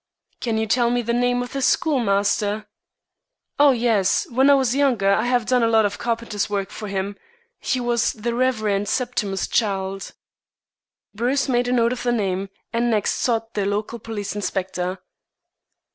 "Can you tell me the name of the schoolmaster?" "Oh, yes. When I was younger I have done a lot of carpenter's work for him. He was the Reverend Septimus Childe." Bruce made a note of the name, and next sought the local police inspector.